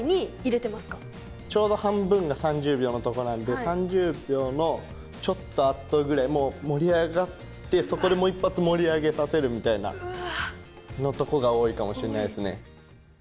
ちょうど半分が３０秒のとこなんで３０秒のちょっとあとぐらいもう盛り上がってそこでもう一発盛り上げさせるみたいなのとこが多いかもしんないっすね。